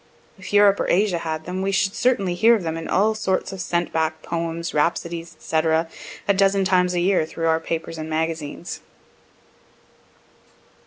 If Europe or Asia had them, we should certainly hear of them in all sorts of sent back poems, rhapsodies, &c., a dozen times a year through our papers and magazines.